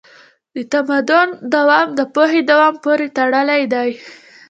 د تمدن دوام د پوهې دوام پورې تړلی دی.